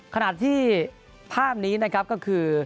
ขณะที่ภาพนี้นะครับก็คือ